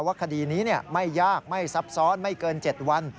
คดีนี้ไม่ยากไม่ซับซ้อนไม่เกิน๗วัน